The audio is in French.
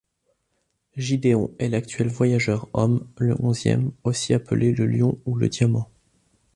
Gideon est l'actuel voyageur homme, le Onzième, aussi appelé le Lion ou le Diamant.